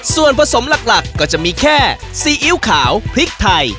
ส่วนผสมหลักก็จะมีแค่ซีอิ๊วขาวพริกไทย